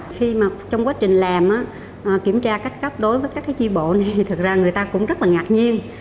khi mà trong quá trình làm kiểm tra các cấp đối với các chi bộ thì thực ra người ta cũng rất là ngạc nhiên